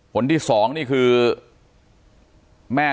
ผลที่๒นี่คือ